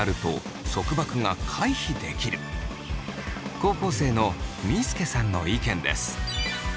高校生のみーすけさんの意見です。